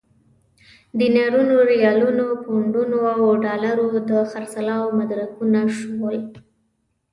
دینارونو، ریالونو، پونډونو او ډالرو د خرڅلاو مدرکونه شول.